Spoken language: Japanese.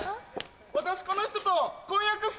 私この人と婚約してんねん。